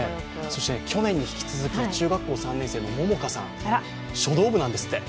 去年に引き続き中学校３年生の方書道部なんですって。